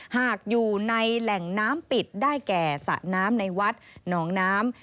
หากอยู่ในแหล่งน้ำปิดได้แก่สระน้ำในวัดหนองน้ำ